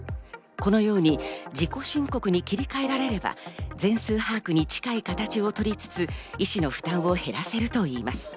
このように自己申告に切り替えられれば全数把握に近い形をとりつつ医師の負担を減らせるといいます。